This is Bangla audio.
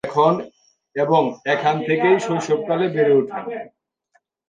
এবং এখান থেকেই শৈশবকালে বেড়ে উঠেন।